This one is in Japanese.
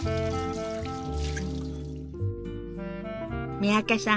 三宅さん